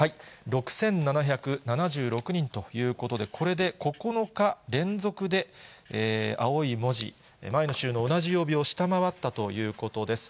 ６７７６人ということで、これで９日連続で青い文字、前の週の同じ曜日を下回ったということです。